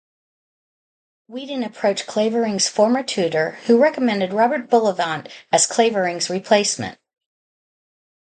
Weedon approached Clavering's former tutor who recommended Robert Bullivant as Clavering's replacement.